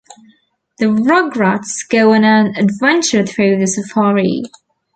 The Rugrats go on an adventure through the safari.